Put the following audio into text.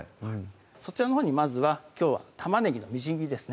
そちらのほうにまずはきょうは玉ねぎのみじん切りですね